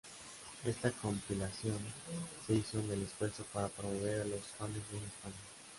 Esta compilación se hizo en el esfuerzo para promover a los fanes en España.